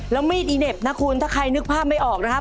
แล้วมีดอีเน็ตนะคุณถ้าใครนึกภาพไม่ออกนะครับ